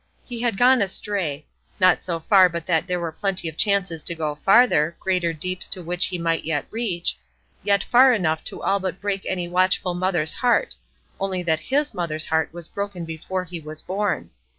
He had gone astray; not so far but that there were plenty of chances to go farther, greater deeps to which he might yet reach, but far enough to all but break any watchful mother's heart; only that his mother's heart was broken before he was born.